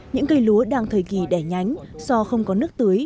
những cây lúa đang thời kỳ đẻ nhánh do không có nước tưới